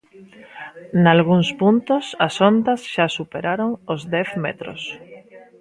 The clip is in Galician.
Nalgúns puntos as ondas xa superaron os dez metros.